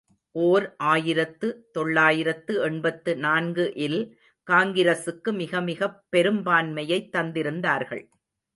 ஓர் ஆயிரத்து தொள்ளாயிரத்து எண்பத்து நான்கு இல் காங்கிரசுக்கு மிகமிகப் பெரும்பான்மையைத் தந்திருந்தார்கள்.